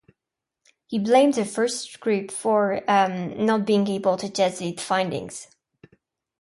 He blamed the first group for not being able to test their findings.